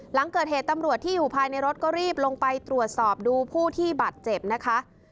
หลังเกิดเหตุตำรวจที่อยู่ภายในรถก็รีบลงไปตรวจสอบดูผู้ที่บาดเจ็บนะคะ